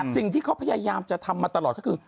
สิ่งที่เค้าพยายามทำมาตลอดคือ